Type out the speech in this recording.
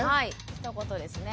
ひと言ですね。